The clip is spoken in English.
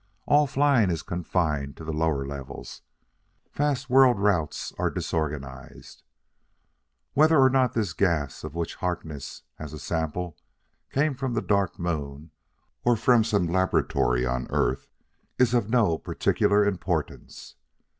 All flying is confined to the lower levels; fast world routes are disorganized. "Whether or not this gas, of which Harkness has a sample, came from the Dark Moon or from some laboratory on Earth is of no particular importance.